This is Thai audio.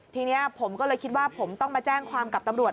ทีนี้ผมก็เลยคิดว่าผมต้องมาแจ้งความกับตำรวจ